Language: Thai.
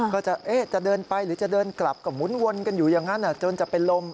ก็จะเดินไปหรือจะเดินกลับก็หมุนวนกันอยู่อย่างนั้นจนจะเป็นลม